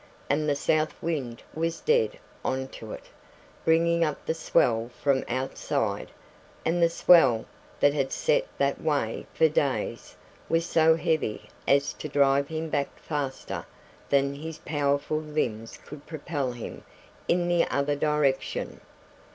and the south wind was dead on to it, bringing up the swell from outside; and the swell, that had set that way for days, was so heavy as to drive him back faster than his powerful limbs could propel him in the other direction.